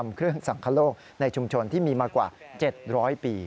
เครื่องสังคโลกในชุมชนที่มีมากว่า๗๐๐ปี